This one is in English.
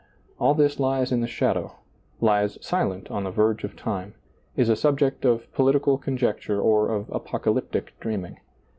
All this lies in the shadow, lies silent on the verge of time, is a subject of politi cal conjecture or of apocalyptic dreaming.